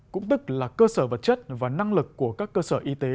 cũng tức là cơ sở vật chất và năng lực của các cơ sở y tế